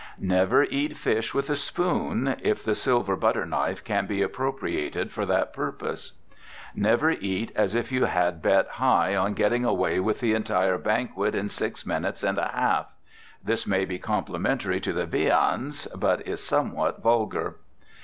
Never eat fish with a spoon, if the silver butter knife can be appropriated for that purpose. Never eat as if you had bet high on getting away with the entire banquet in six minutes and a half. This may be complimentary to the viands, but is somewhat vulgar.